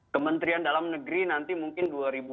kementerian dalam negeri nanti mungkin dua ribu dua puluh